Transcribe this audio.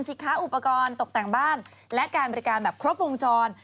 สินค้าอุปกรณ์ตกแต่งบ้านและการบริการแบบครบวงจร